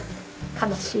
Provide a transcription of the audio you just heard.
悲しい？